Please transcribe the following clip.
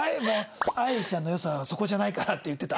「愛理ちゃんの良さはそこじゃないから」って言ってた。